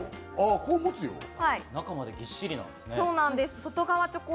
中までぎっしりなんですね。